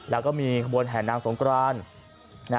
แล้วก็มีขบวนแห่นางสงกราน